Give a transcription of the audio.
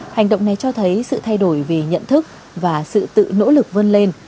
hành động này cho thấy sự thay đổi về nhận thức và sự tự nỗ lực vươn lên